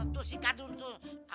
tuh si kadun tuh